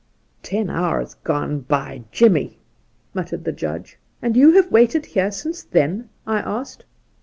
' Ten hours gone, by Jimmie 1' muttered the Judge. ' And you have waited here since then ?' I asked.